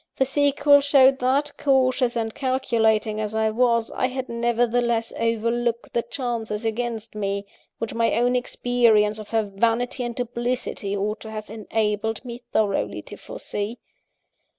The sequel showed that, cautious and calculating as I was, I had nevertheless overlooked the chances against me, which my own experience of her vanity and duplicity ought to have enabled me thoroughly to foresee.